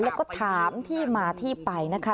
แล้วก็ถามที่มาที่ไปนะคะ